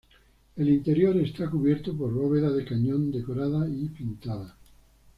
El interior está cubierto por bóveda de cañón decorada y pintada.